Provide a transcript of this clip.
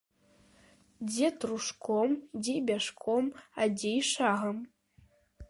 Дзе трушком, дзе бяжком, а дзе й шагам.